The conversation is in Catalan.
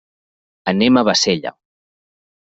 Anem a Bassella.